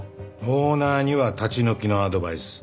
オーナーには立ち退きのアドバイス